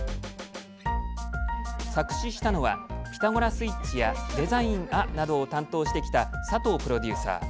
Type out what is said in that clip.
作詞したのは「ピタゴラスイッチ」や「デザインあ」などを担当してきた佐藤プロデューサー。